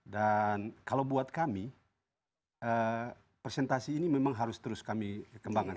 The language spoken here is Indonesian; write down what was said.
dan kalau buat kami presentasi ini memang harus terus kami kembangkan